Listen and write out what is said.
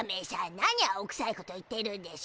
なに青くさいこと言ってるんでしゅ。